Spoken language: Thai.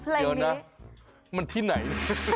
เดี๋ยวนะมันที่ไหน